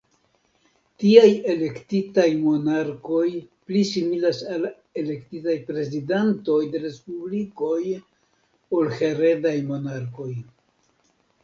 Tiaj elektitaj monarkoj pli similas al elektitaj prezidantoj de respublikoj ol heredaj monarkoj.